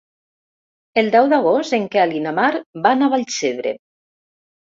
El deu d'agost en Quel i na Mar van a Vallcebre.